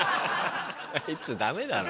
あいつダメだろ。